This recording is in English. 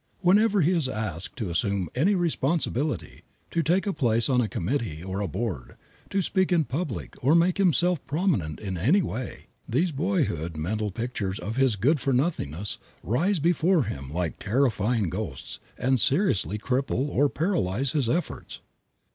Whenever he is asked to assume any responsibility, to take a place on a committee or a board, to speak in public or make himself prominent in any way, these boyhood mental pictures of his "good for nothingness" rise before him like terrifying ghosts and seriously cripple or paralyze his efforts.